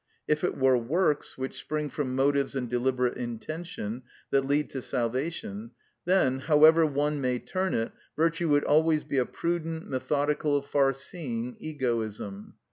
If it were works, which spring from motives and deliberate intention, that led to salvation, then, however one may turn it, virtue would always be a prudent, methodical, far seeing egoism.